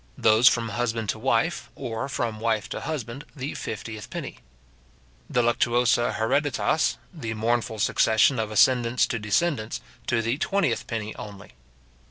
Those from husband to wife, or from wife to husband, to the fiftieth penny. The luctuosa hereditas, the mournful succession of ascendants to descendants, to the twentieth penny only.